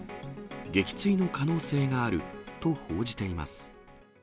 撃墜の可能性があると報じています。